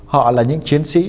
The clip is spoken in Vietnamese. họ là những chiến sĩ